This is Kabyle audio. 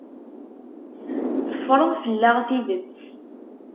Teffreḍ fell-aɣ tidet.